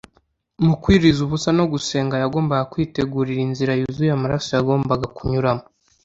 Mu kwiyiriza ubusa no gusenga, yagombaga kwitegurira inzira yuzuye amaraso yagombaga kunyuramo